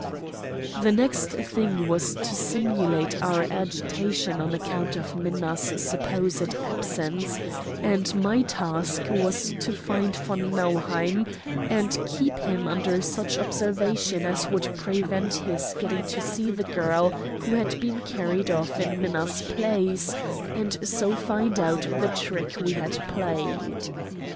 The next thing was to simulate our agitation on account of Minna's supposed absence; and my task was to find von Nauheim and keep him under such observation as would prevent his getting to see the girl who had been carried off in Minna's place, and so find out the trick we had played.